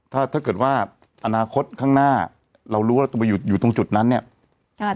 ถ้าถ้าเกิดว่าอนาคตข้างหน้าเรารู้ว่าเราไปอยู่ตรงจุดนั้นเนี่ย